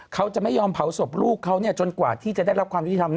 เขาจะไม่ยอมเผาศพลูกเขาจนกว่าที่จะได้รับความยุติธรรมนะ